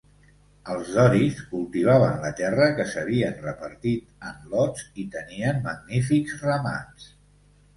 Els doris cultivaven la terra que s'havien repartit en lots i tenien magnífics ramats.